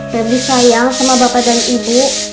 verdi sayang sama bapak dan ibu